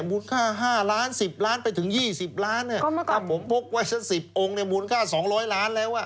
มูลค่า๕ล้าน๑๐ล้านไปถึง๒๐ล้านถ้าผมพกไว้สัก๑๐องค์เนี่ยมูลค่า๒๐๐ล้านแล้ว